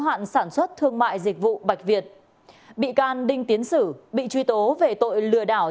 hạn sản xuất thương mại dịch vụ bạch việt bị can đinh tiến sử bị truy tố về tội lừa đảo